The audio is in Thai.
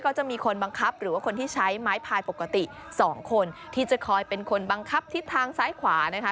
ก็จะมีคนบังคับหรือว่าคนที่ใช้ไม้พายปกติสองคนที่จะคอยเป็นคนบังคับทิศทางซ้ายขวานะคะ